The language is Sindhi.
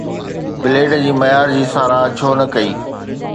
بليڊ جي معيار جي ساراهه ڇو نه ڪئي؟